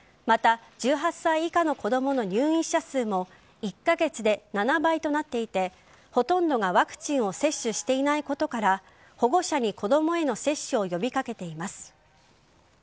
また、１８歳以下の子供の入院者数も１カ月で７倍となっていてほとんどがワクチンを接種していないことから保護者に子供への接種を呼び掛けています。